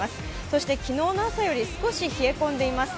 そして昨日の朝より少し冷え込んでいます。